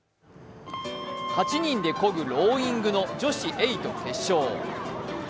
８人でこぐローイングの女子エイト決勝。